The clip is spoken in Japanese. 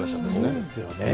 そうですよね。